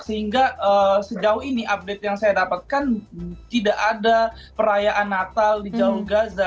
sehingga sejauh ini update yang saya dapatkan tidak ada perayaan natal di jalur gaza